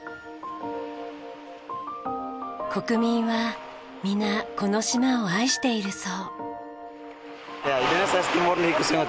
国民は皆この島を愛しているそう。